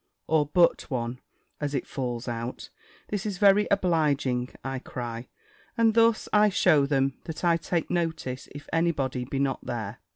or but one (as it falls out) "This is very obliging," I cry: and thus I shew them, that I take notice, if any body be not there.